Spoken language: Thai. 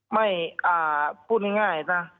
ไม่พูดง่ายนะ